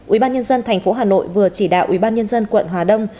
ubnd tp hà nội vừa chỉ đạo ubnd quận hà đông